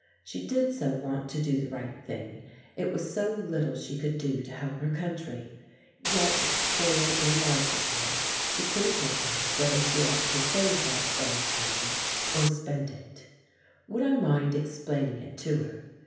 She did so want to do the right thing; it was so little she could do to help her country. Yet, for the life of her, she couldn't make out whether she ought to save that £12 or spend it. Would I mind explaining it to her?